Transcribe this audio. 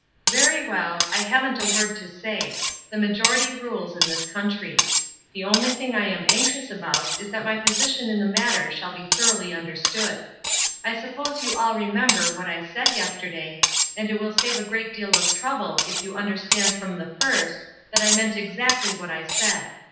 ''Very well, I haven't a word to say; the majority rules in this country. The only thing I am anxious about is that my position in the matter shall be thoroughly understood. I sup pose you all remember what I said yesterday, and it will save a great deal of trouble if you 362 ESTER RIED'S NAMESAKE understand from the first that I meant exactly what I said.